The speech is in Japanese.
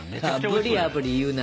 「あぶりあぶり」言うな！